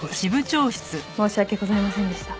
申し訳ございませんでした。